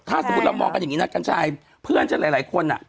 ถ้าสมมุติเรามองกันอย่างนี้นะกัญชัยเพื่อนฉันหลายคนอ่ะ